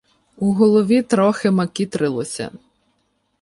У голові трохи макітрилося.